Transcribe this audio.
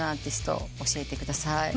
任せてください。